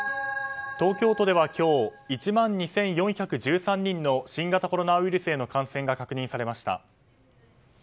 東京都では今日１万２４１３人の新型コロナウイルスへの感染が確認されました。